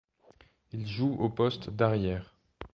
Il joue au poste d'arrière.